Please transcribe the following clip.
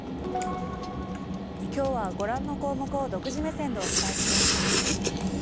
今日はご覧の項目を独自目線でお伝えします。